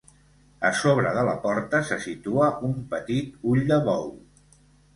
A sobre de la porta se situa un petit ull de bou.